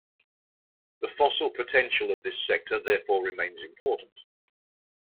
The fossil potential of this sector therefore remains important.